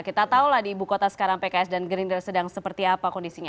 kita tahulah di ibu kota sekarang pks dan gerindra sedang seperti apa kondisinya